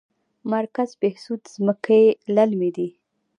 مرکز بهسود ځمکې للمي دي؟